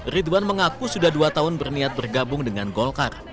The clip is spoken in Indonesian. ridwan mengaku sudah dua tahun berniat bergabung dengan golkar